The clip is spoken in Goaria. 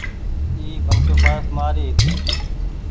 اي ونٽوڦآئڦ مآري هيتي ۔